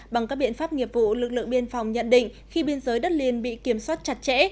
bằng các biện pháp nghiệp vụ lực lượng biên phòng nhận định khi biên giới đất liền bị kiểm soát chặt chẽ